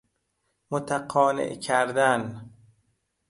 متقانع کردن